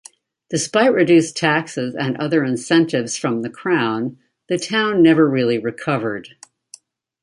Despite reduced taxes and other incentives from the Crown, the town never really recovered.